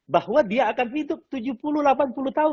bahwa dia akan hidup tujuh puluh delapan puluh tahun